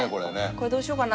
これどうしようかな。